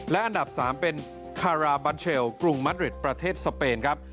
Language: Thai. และอันดับ๓เป็นคาราบันเชลกรุงมัดริดประเทศสเปนครับ